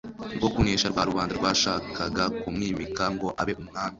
rwo kunesha rwa rubanda rwashakaga kumwimika ngo abe Umwami.